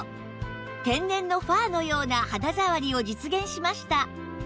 天然のファーのような肌触りを実現しました